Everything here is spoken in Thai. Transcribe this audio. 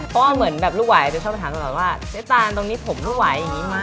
ก็เหมือนแบบลูกไหว้ว่าเสปตาลตรงนี้ผมรู้ไหว้ยังไง